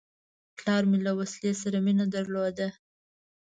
پلار مې له وسلې سره مینه درلوده.